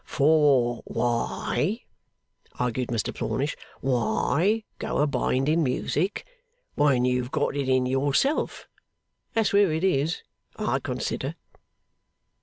'For why,' argued Mr Plornish, 'why go a binding music when you've got it in yourself? That's where it is, I consider.